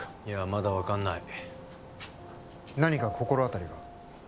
いやまだ分かんない何か心当たりが？